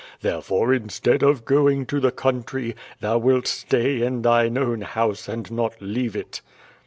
Therefore, instead of going to the country, thou wilt stay in thine own house and not leave it."